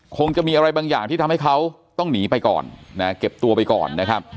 คงจะมีอะไรบางอย่างที่ทำให้เขาต้องหนีไปก่อนนะเก็บตัวไปก่อนนะครับ